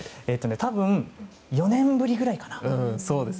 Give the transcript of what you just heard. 多分４年ぶりぐらいかな。